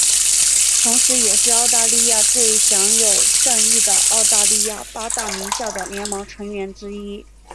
同时也是澳大利亚最享有盛誉的澳大利亚八大名校的联盟成员之一。